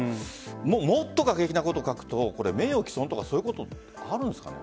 もっと過激なことを書くと名誉毀損とかそういうことあるんですか？